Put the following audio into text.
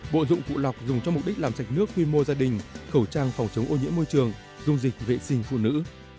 bộ dụng cụ lọc dùng cho mục đích làm sạch nước quy mô gia đình khẩu trang phòng chống ô nhiễm môi trường dung dịch vệ sinh phụ nữ